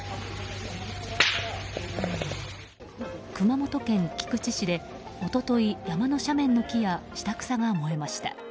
熊本県菊池市で一昨日山の斜面の木や下草が燃えました。